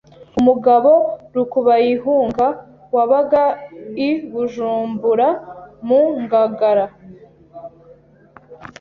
Umugabo rukubayihunga wabaga i Bujumbura mu Ngagara,